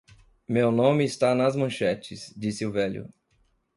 "Meu nome está nas manchetes”, disse o velho.